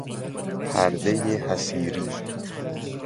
پردهٔ حصیری